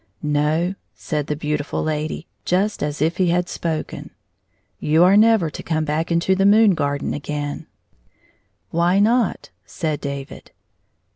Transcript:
"No," said the beautiM lady, just as if he had spoken, '' you are never to come back into the moon garden again," "Why not?" said David.